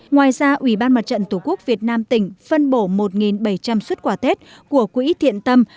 ngoài ra ubnd tqvn tỉnh phân bổ một bảy trăm linh xuất quà tết của quỹ thiện tâm